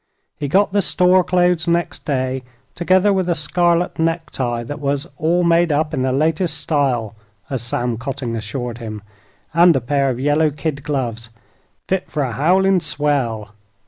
He got the "store clothes" next day, together with a scarlet necktie that was "all made up in the latest style," as Sam Cotting assured him, and a pair of yellow kid gloves "fit fer a howlin' swell."